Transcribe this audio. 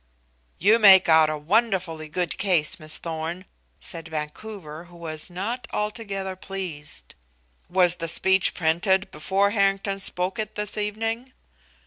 "You make out a wonderfully good case, Miss Thorn," said Vancouver, who was not altogether pleased; "was the speech printed before Harrington spoke it this evening?"